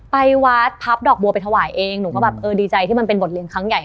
ไปวัดพับดอกบัวไปถวายเองหนูก็แบบเออดีใจที่มันเป็นบทเรียนครั้งใหญ่